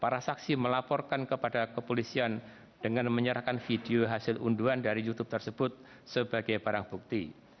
para saksi melaporkan kepada kepolisian dengan menyerahkan video hasil unduan dari youtube tersebut sebagai barang bukti